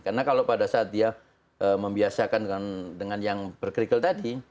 karena kalau pada saat dia membiasakan dengan yang berkrikal tadi